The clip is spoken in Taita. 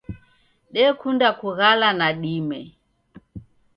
Dekunda kughala nadime.